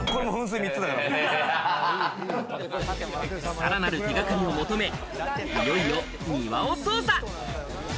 さらなる手掛かりを求め、いよいよ庭を捜査。